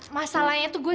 masa panjang itu dia felelin